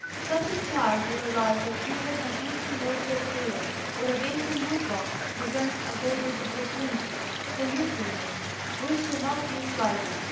Such a child will realize that even an empty water pail or a vacant wood box presents a golden opportunity for usefulness which should not be slighted.